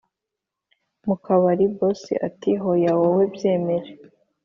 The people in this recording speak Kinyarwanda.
mukabari” boss ati”hoya wowe byemere